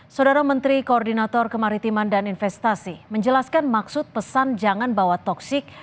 saudara menteri koordinator kemaritiman dan investasi menjelaskan maksud pesan jangan bawa toksik